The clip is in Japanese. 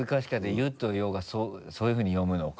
「ゆ」と「よ」がそういうふうに読むのか。